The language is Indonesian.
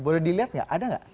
boleh dilihat nggak ada nggak